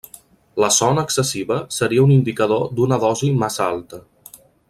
La son excessiva seria un indicador d'una dosi massa alta.